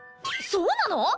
そうなの！？